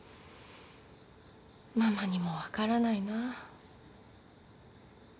ママにも分からないな。